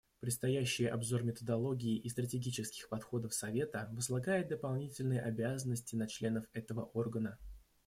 Предстоящий обзор методологии и стратегических подходов Совета возлагает дополнительные обязанности на членов этого органа.